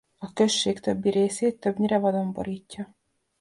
A község többi részét többnyire vadon borítja.